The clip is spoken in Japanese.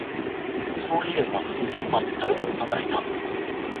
そういえばビビンバって食べたことないな